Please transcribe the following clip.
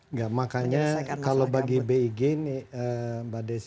enggak makanya kalau bagi big ini mbak dersi ya